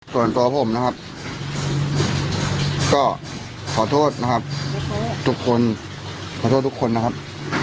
ส่วนตัวผมนะครับก็ขอโทษนะครับทุกคนขอโทษทุกคนนะครับ